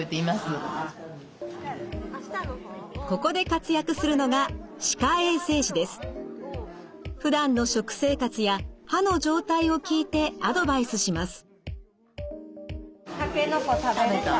ここで活躍するのがふだんの食生活や歯の状態を聞いてアドバイスします。